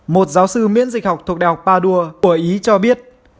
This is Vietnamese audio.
một giáo sư miễn dịch học thuộc đại học padua của ý cho biết